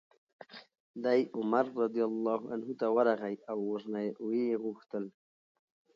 دی عمر رضي الله عنه ته ورغی او ورنه ویې غوښتل